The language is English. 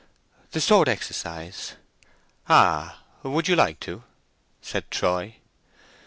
"The sword exercise." "Ah! would you like to?" said Troy.